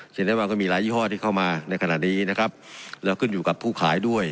รัฐบาลก็มีหลายยี่ห้อที่เข้ามาในขณะนี้นะครับแล้วขึ้นอยู่กับผู้ขายด้วย